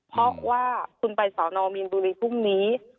เพราะว่าคุณไปสอนอมีนบุรีพรุ่งนี้